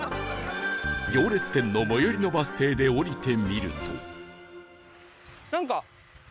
行列店の最寄りのバス停で降りてみると